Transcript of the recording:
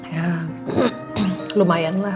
ya lumayan lah